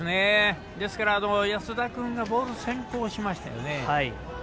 ですから、安田君がボール先行しましたよね。